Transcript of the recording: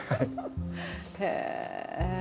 へえ！